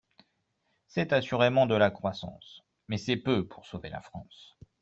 C’est assurément de la croissance, mais c’est peu pour sauver la France.